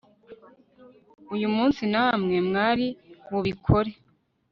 uyu munsi namwe mwari bubikore